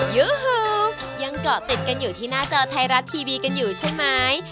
ยูฮูยังเกาะติดกันอยู่ที่หน้าจอไทยรัฐทีวีกันอยู่ใช่ไหม